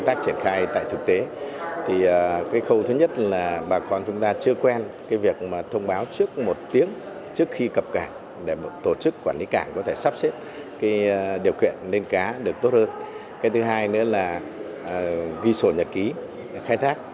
điều kiện lên cá được tốt hơn cái thứ hai nữa là ghi sổ nhật ký khai thác